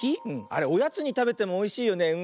あれおやつにたべてもおいしいよね。